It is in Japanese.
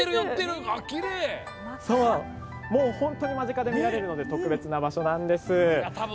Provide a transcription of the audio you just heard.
本当に間近で見られるので特別な場所なんです。